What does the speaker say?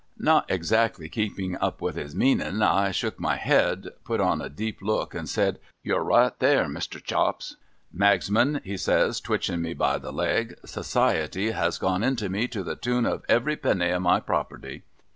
Not exactly keeping up with his meanin, I shook my head, put on a deep look, and said, ' You're right there, Mr. Chops.' ' Magsman,' he says, twitchin me by the leg, ' Society has gone into me, to the tune of every penny of my property.'